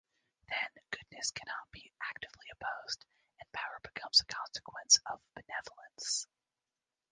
Then, goodness cannot be actively opposed, and power becomes a consequence of benevolence.